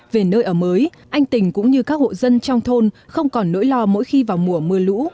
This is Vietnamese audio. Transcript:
về nơi ở mới anh tình cũng như các hộ dân trong thôn không còn nỗi lo mỗi khi vào mùa mưa lũ